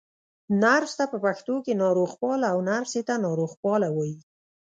نرس ته په پښتو کې ناروغپال، او نرسې ته ناروغپاله وايي.